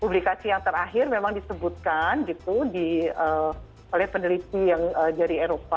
publikasi yang terakhir memang disebutkan gitu oleh peneliti yang dari eropa